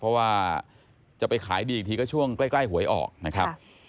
เพราะว่าจะไปขายดีอีกทีก็ช่วงใกล้หวยออกนะครับ